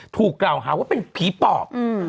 ถูกกล่าวหาว่าเป็นผีปอบ